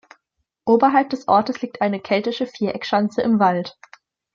Oberhalb des Ortes liegt eine keltische Viereckschanze im Wald.